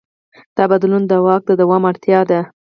دا بدلون د واک د دوام اړتیا ده.